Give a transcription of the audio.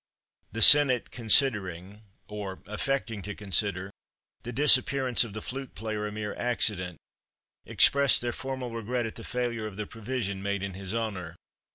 The Senate, considering (or affecting to consider) the disappearance of the flute player a mere accident, expressed their formal regret at the failure of the provision made in his honour.